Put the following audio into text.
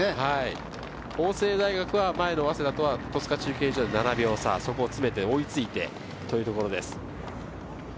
法政大学は前の早稲田とは戸塚中継所で７秒差、そこを詰めて追いついてというところです。